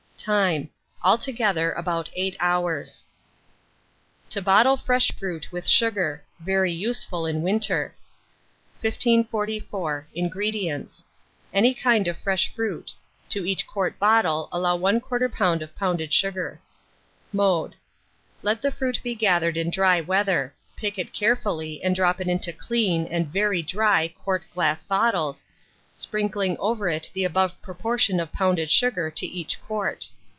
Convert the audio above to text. Time. Altogether about 8 hours. TO BOTTLE FRESH FRUIT WITH SUGAR. (Very useful in Winter.) 1544. INGREDIENTS. Any kind of fresh fruit; to each quart bottle allow 1/4 lb. of pounded sugar. Mode. Let the fruit be gathered in dry weather. Pick it carefully, and drop it into clean and very dry quart glass bottles, sprinkling over it the above proportion of pounded sugar to each quart.